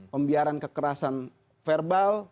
membiarkan kekerasan verbal